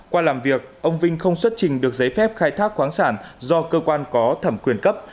qua làm việc ông vinh không xuất trình được giấy phép khai thác khoáng sản do cơ quan có thẩm quyền cấp